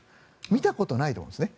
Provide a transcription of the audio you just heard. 見たことないと思うんですね。